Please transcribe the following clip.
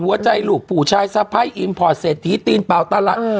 หัวใจลูกผู้ชายสะพ้ายอิมพอร์ตเศรษฐีตีนเปล่าตลาด